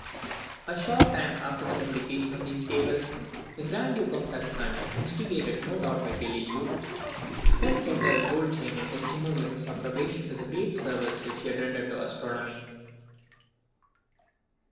A short time after the publication of these tables, the Grand Duke of Tuscany, instigated no doubt by Galileo, sent Kepler a gold chain in testimony of his approbation of the great service which he had rendered to astronomy.